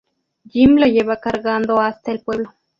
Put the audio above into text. Jim lo lleva cargando hasta el pueblo.